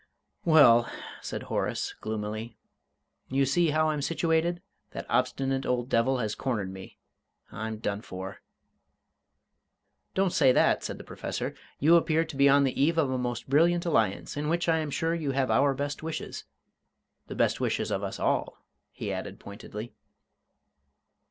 "Well," said Horace, gloomily, "you see how I'm situated? That obstinate old devil has cornered me. I'm done for!" "Don't say that," said the Professor; "you appear to be on the eve of a most brilliant alliance, in which I am sure you have our best wishes the best wishes of us all," he added pointedly.